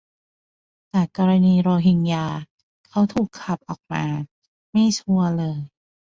แต่กรณีโรฮิงญา เขา 'ถูกขับ' ออกมา - ไม่ชัวร์เลย